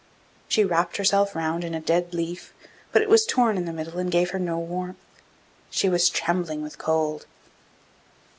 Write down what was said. She wrapt herself round in a dead leaf, but it was torn in the middle and gave her no warmth; she was trembling with cold.